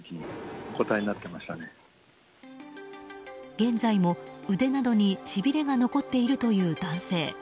現在も腕などにしびれが残っているという男性。